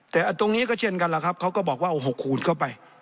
แต่ตรงนี้ก็เช่นกันล่ะครับเขาก็บอกว่าเอา๖คูณเข้าไป